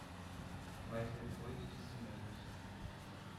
Mas depois disse menos